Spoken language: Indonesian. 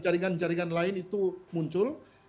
jaringan jaringan lain itu muncul